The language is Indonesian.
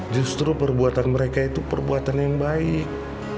justru perbuatan mereka itu perbuatan yang baik